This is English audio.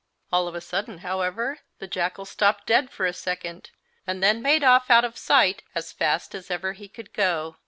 All of a sudden, however, the jackal stopped dead for a second, and then made off out of sight as fast as ever he could go.